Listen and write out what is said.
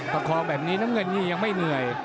ประคองแบบนี้น้ำเงินนี่ยังไม่เหนื่อย